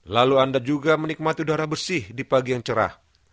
lalu anda juga menikmati udara bersih di pagi yang cerah